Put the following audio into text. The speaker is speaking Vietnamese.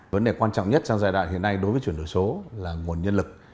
vấn đề quan trọng nhất trong giai đoạn hiện nay đối với chuyển đổi số là nguồn nhân lực